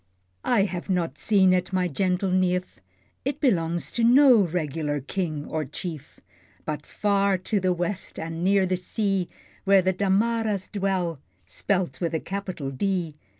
I have not seen it, my gentle neef, It belongs to no regular King or Chief; But far to the west, and near the sea, Where the Damaras' dwell (spelt with capital "D.")